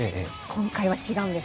今回は違うんです。